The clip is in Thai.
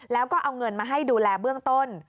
แล้วก็เอาเงินมาให้ดูแลเบื้องต้น